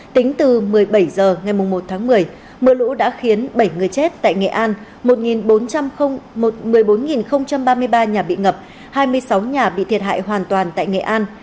tính từ một mươi bảy h ngày một tháng một mươi mưa lũ đã khiến bảy người chết tại nghệ an một bốn mươi bốn ba mươi ba nhà bị ngập hai mươi sáu nhà bị thiệt hại hoàn toàn tại nghệ an